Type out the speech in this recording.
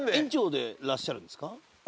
でらっしゃるんですか？